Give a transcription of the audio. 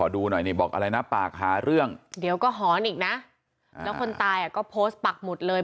เดี๋ยวก็หอนอีกนะแล้วคนตายก็โพสต์ปักหมุดเลย